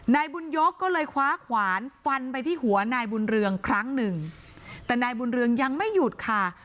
นายบุญยกก็เลยคว้าขวานฟันไปที่หัวนายบุญเรืองครั้งหนึ่งแต่นายบุญเรืองยังไม่หยุดค่ะ